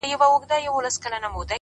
پوهه د محدود فکر کړکۍ پرانیزي!